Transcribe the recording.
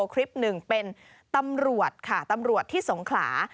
คลิปหนึ่งเป็นตำรวจค่ะตำรวจที่สงขลา